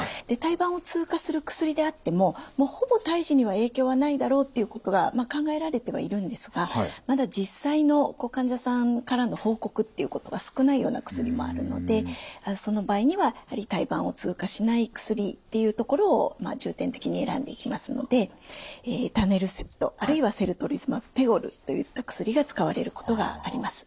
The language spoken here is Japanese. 胎盤を通過する薬であってもほぼ胎児には影響はないだろうっていうことが考えられてはいるんですがまだ実際の患者さんからの報告っていうことは少ないような薬もあるのでその場合にはやはり胎盤を通過しない薬っていうところを重点的に選んでいきますのでエタネルセプトあるいはセルトリズマブペゴルといった薬が使われることがあります。